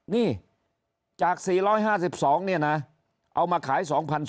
นี่จาก๔๕๒เนี่ยนะเอามาขาย๒๔๐